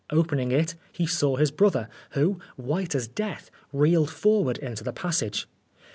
Opening it, he saw his brother, who, white as death, reeled forward into the passage.